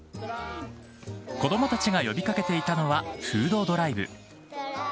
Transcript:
子どもたちが呼びかけていたのは、フードドライブ。